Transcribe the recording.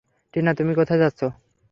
টিনা, তুমি কোথায় যাচ্ছ?